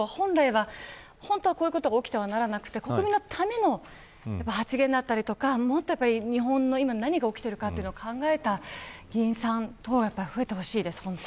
本当はこういうことが起きてはならなくて国民のための発言だったり日本で今何が起きているかというのを考えた議員さんとかが増えてほしいです。